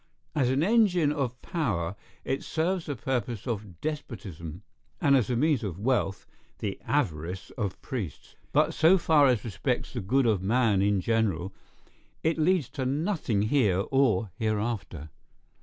As an engine of power, it serves the purpose of despotism; and as a means of wealth, the avarice of priests; but so far as respects the good of man in general, it leads to nothing here or hereafter.